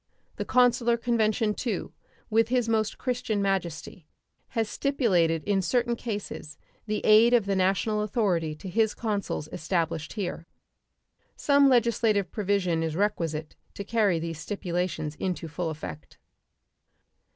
The consular convention, too, with His Most Christian Majesty has stipulated in certain cases the aid of the national authority to his consuls established here. Some legislative provision is requisite to carry these stipulations into full effect.